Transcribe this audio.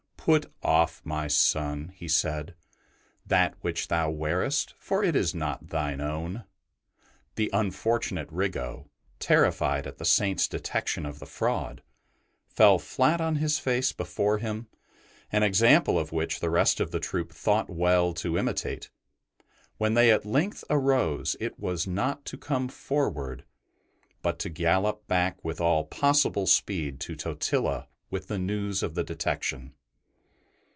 '* Put off, my son," he said, " that which thou wearest, for it is not thine own." The unfortunate ST. BENEDICT 87 Riggo, terrified at the Saint's detection of the fraud, fell flat on his face before him, an example which the rest of the troop thought well to imitate. When they at length arose, it was not to come forward, but to gallop back with all possible speed to Totila with the news of the detection.